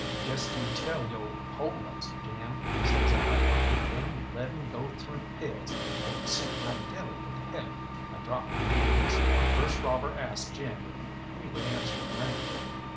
"Jest you tell yo' hold ups, Jim," says I, "that them leaden go through pills don't suit my delicate health." I dropped my hands, and the first robber asked Jim if he would answer for me.